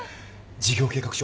事業計画書